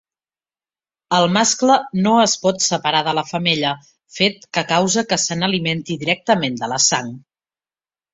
El mascle no es pot separar de la femella, fet que causa que se n'alimenti directament de la sang.